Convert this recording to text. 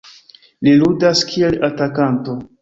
Li ludas kiel atakanto.